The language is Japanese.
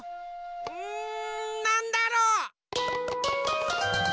うんなんだろう。